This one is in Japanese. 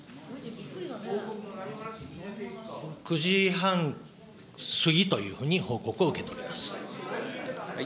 ９時半過ぎというふうに報告を受けております。